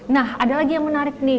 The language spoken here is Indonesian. nah ada lagi yang menarik nih